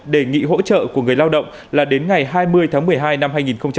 đề nghị hỗ trợ của người lao động là đến ngày hai mươi tháng một mươi hai năm hai nghìn hai mươi